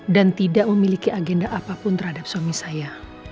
dan tidak memiliki agenda apapun terhadap suami saya